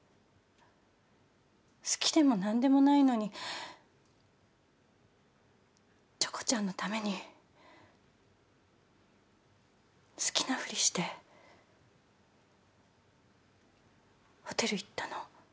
好きでも何でもないのにチョコちゃんのために好きなふりしてホテル行ったの？